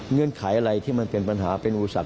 เงื่อนไขอะไรที่มันเป็นปัญหาเป็นอุปสรรค